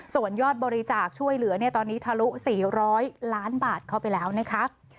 ส่วนยอดบริจาคช่วยเหลือเนี้ยตอนนี้ทะลุสี่ร้อยล้านบาทเข้าไปแล้วนะครับ